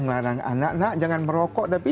ngelarang anak anak jangan merokok tapi